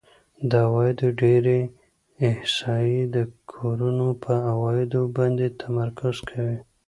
د عوایدو ډېری احصایې د کورونو په عوایدو باندې تمرکز کوي